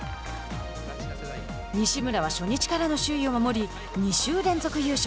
西村は初日からの首位を守り２週連続優勝。